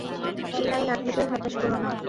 কিনাই, আত্মাদের হতাশ করো না।